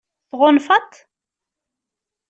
Tɣunfaḍ-t?